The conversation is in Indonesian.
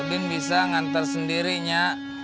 udin bisa ngantar sendiri nya